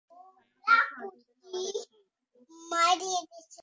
ধন্যবাদ, সিড।